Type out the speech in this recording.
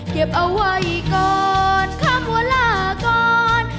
เก็บเอาไว้ก่อนคำว่าลาก่อน